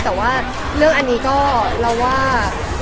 แต่ว่าเรื่องอันนี้ก็เราว่า